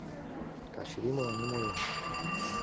Качыри мыланем ойла: